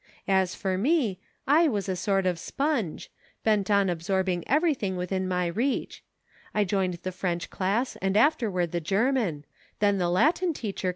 As for me, I was a sort of sponge, bent on absorbing everything within my reach. I joined the P'rench class and afterward the German ; then the Latin teacher EVOLUTION.